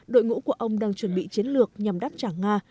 đội ngũ của ông đang chuẩn bị chiến lược nhằm đáp trả nga